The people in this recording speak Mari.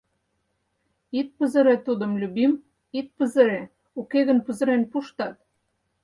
Ит пызыре тудым, Любим, ит пызыре, уке гын пызырен пуштат!